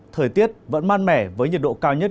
thời tiết vẫn mát mẻ với nhiệt độ cao nhất